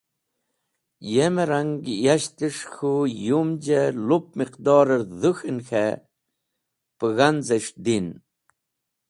Yem rang, yashtes̃h k̃hũ yumj e lup miqdorer dhũkhen k̃he pẽ g̃hanz̃es̃h din.